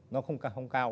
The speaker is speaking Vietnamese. nó không cao